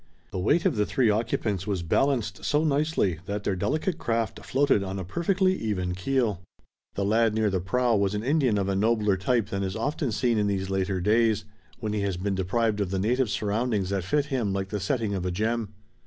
The weight of the three occupants was balanced so nicely that their delicate craft floated on a perfectly even keel. The lad near the prow was an Indian of a nobler type than is often seen in these later days, when he has been deprived of the native surroundings that fit him like the setting of a gem.